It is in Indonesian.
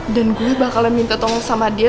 dan gue bakalan minta tolong sama dia